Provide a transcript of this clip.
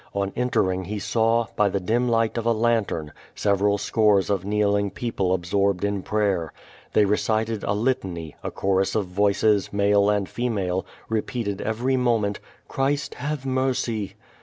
On enter ing he saw, by the dim light of a lantern, several scores of kneeling people absorbed in prayer. They recited a Litany; a chorus of voices, male and female, repeated every moment, ^'Christ have mercy."